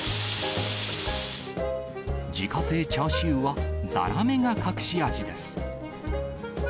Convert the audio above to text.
自家製チャーシューは、ざらめが隠し味です。